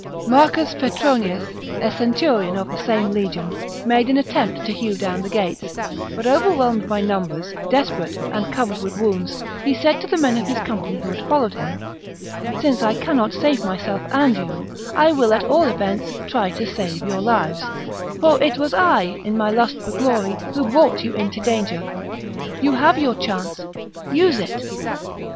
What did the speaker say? Marcus Petronius, a centurion of the same legion, made an attempt to hew down the gates, but, overwhelmed by numbers, desperate, and covered with wounds, he said to the men of his company who had followed him, " Since I cannot save myself and you, I will, at all events, try to save your lives, for it was I, in my lust for glory, who l^rought you into danger. You have your chance : use it